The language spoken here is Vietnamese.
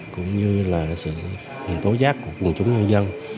cũng như là sự tố giác của quần chúng nhân dân